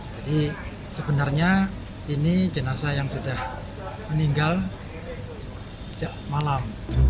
jadi sebenarnya ini jenazah yang sudah meninggal malam